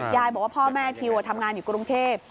ยายบอกว่าพ่อแม่ทิวทำงานอยู่กรุงเทพ